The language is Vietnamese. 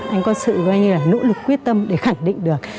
anh có sự nỗ lực quyết tâm để khẳng định được